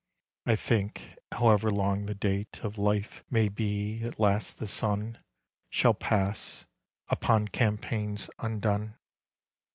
I think, however long the date Of life may be, at last the sun Shall pass upon campaigns undone.